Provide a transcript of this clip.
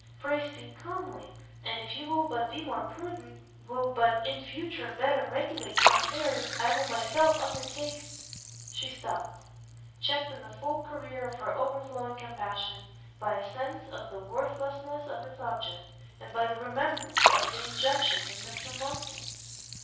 pray speak calmly; and if you will but be more prudent, will but, in future, better regulate your affairs, I will myself undertake " She stopt; checked in the full career of her overflowing compassion, by a sense of the worthlessness of its object; and by the remembrance of the injunctions of Mr Monckton.